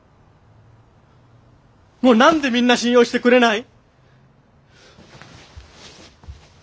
もう何でみんな信用してくれない！？